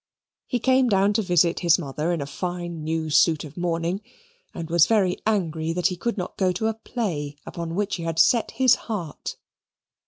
He came down to visit his mother in a fine new suit of mourning, and was very angry that he could not go to a play upon which he had set his heart.